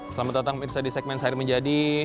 selamat datang di segmen sair menjadi